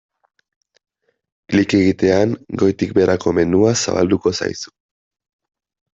Klik egitean goitik-beherako menua zabalduko zaizu.